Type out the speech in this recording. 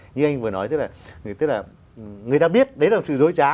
như anh vừa nói người ta biết đấy là sự dối trá